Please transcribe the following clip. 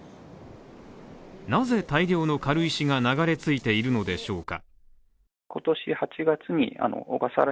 なぜ、大量の軽石が流れ着いているのでしょうか。